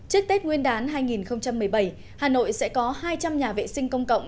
hà nội sẽ có hai trăm linh nhà vệ sinh công cộng